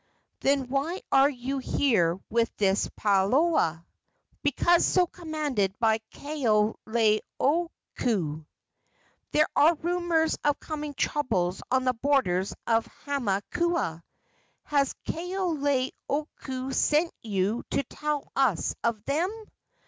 "Then why are you here with this palaoa?" "Because so commanded by Kaoleioku." "There are rumors of coming troubles on the borders of Hamakua. Has Kaoleioku sent you to tell us of them?"